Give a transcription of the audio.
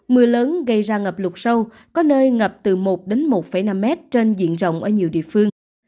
mưa lớn gây ra ngập lục sâu có nơi ngập từ một một năm m trên diện rộng ở nhiều địa phương